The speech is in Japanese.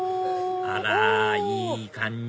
あらいい感じ